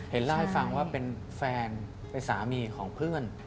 เล่าให้ฟังว่าเป็นแฟนเป็นสามีของเพื่อน